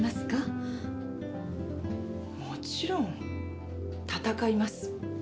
もちろん闘います。